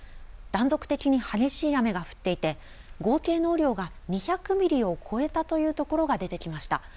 断続的に激しい雨が降っていて、合計の雨量が２００ミリを超えたという所が出てきました。